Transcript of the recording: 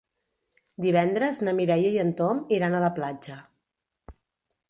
Divendres na Mireia i en Tom iran a la platja.